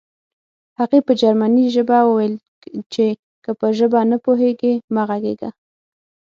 هغې په جرمني ژبه وویل چې که ژبه نه پوهېږې مه غږېږه